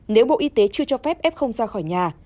nếu bộ y tế chưa cho phép f ra khỏi nhà